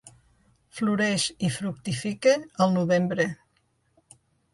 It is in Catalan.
Floreix i fructifica al novembre.